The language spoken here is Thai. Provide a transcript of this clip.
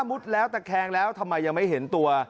แล้วตะแคงแล้วทำไมยังไม่เห็นตัว